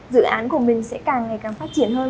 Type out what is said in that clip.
dự án của mình sẽ càng ngày càng phát triển hơn